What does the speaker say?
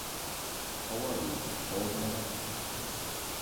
How are you, old man?